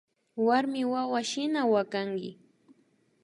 Warmiwawa shina wakanki